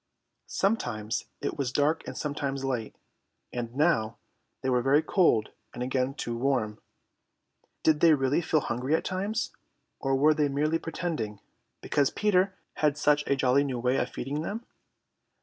Sometimes it was dark and sometimes light, and now they were very cold and again too warm. Did they really feel hungry at times, or were they merely pretending, because Peter had such a jolly new way of feeding them?